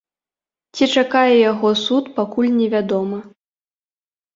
Ці чакае яго суд, пакуль невядома.